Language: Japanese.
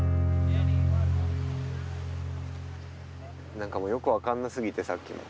なんかよく分かんなすぎてさっきも。